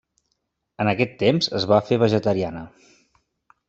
En aquest temps es va fer vegetariana.